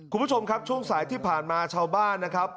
คุณผู้ชมครับช่วงสายที่ผ่านมาชาวบ้านนะครับ